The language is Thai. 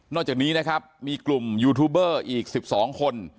จากนี้นะครับมีกลุ่มยูทูบเบอร์อีก๑๒คน